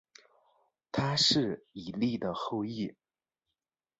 他是以利的后裔。